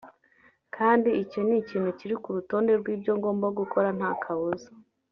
kandi icyo ni ikintu kiri ku rutonde rw’ibyo ngomba gukora nta kabuza